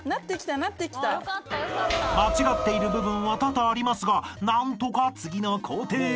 ［間違っている部分は多々ありますが何とか次の工程へ］